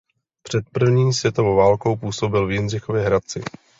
Před první světovou válkou působil v Jindřichově Hradci.